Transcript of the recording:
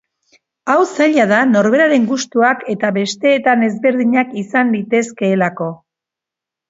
Hau zaila da norberaren gustuak eta besteetan ezberdinak izan litezkeelako.